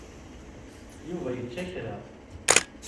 Yuba yečča kra.